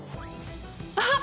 あっ！